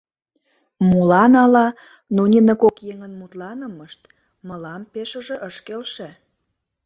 Молан ала, но нине кок еҥын мутланымышт мылам пешыже ыш келше.